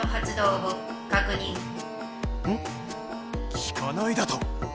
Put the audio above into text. きかないだと？